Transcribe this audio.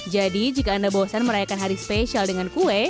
jadi jika anda bosan merayakan hari spesial dengan kue